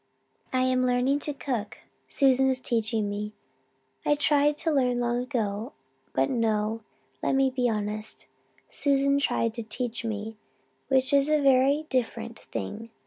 "I am learning to cook. Susan is teaching me. I tried to learn long ago but no, let me be honest Susan tried to teach me, which is a very different thing.